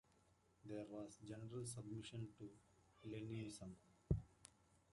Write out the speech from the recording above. There was general submission to Leninism.